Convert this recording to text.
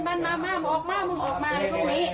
บนมาออกมาออกมาเลยตรงนี้